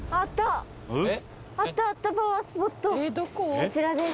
あちらです。